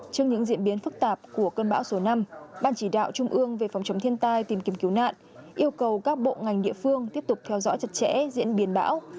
trước những diễn biến phức tạp của cơn bão số năm ban chỉ đạo trung ương về phòng chống thiên tai tìm kiếm cứu nạn yêu cầu các bộ ngành địa phương tiếp tục theo dõi chặt chẽ diễn biến bão